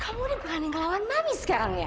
kamu ini berani ngelawan mami sekarang ya